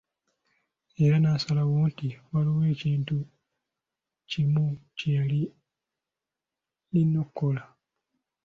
Era n'asalawo nti; waliwo ekintu kimu kye yalina okukola.